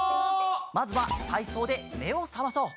まずはたいそうでめをさまそう！